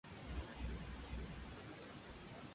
Se encuentra en Brasil y Perú.